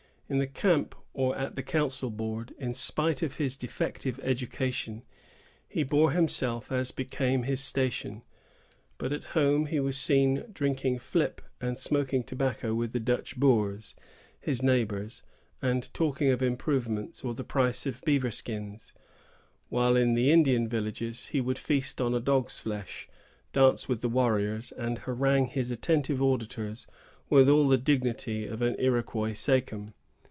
In the camp, or at the council board, in spite of his defective education, he bore himself as became his station; but at home he was seen drinking flip and smoking tobacco with the Dutch boors, his neighbors, and talking of improvements or the price of beaver skins; while in the Indian villages he would feast on dog's flesh, dance with the warriors, and harangue his attentive auditors with all the dignity of an Iroquois sachem.